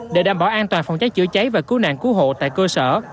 để đảm bảo an toàn phòng cháy chữa cháy và cứu nạn cứu hộ tại cơ sở